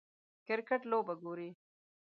کریکټ لوبه ګورئ